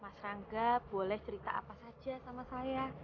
mas rangga boleh cerita apa saja sama saya